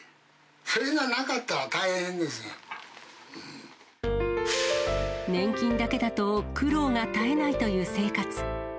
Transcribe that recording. それがなかったら大変年金だけだと苦労が絶えないという生活。